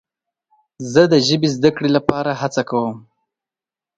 زه د ژبې زده کړې لپاره هڅه کوم.